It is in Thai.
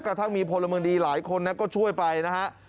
กระทั่งมีพลเมืองดีหลายคนก็ช่วยไปนะฮะ